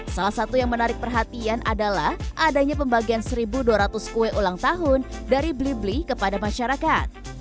salah satu yang menarik perhatian adalah adanya pembagian satu dua ratus kue ulang tahun dari blibli kepada masyarakat